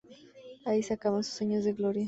Ahí se acaban sus años de gloria.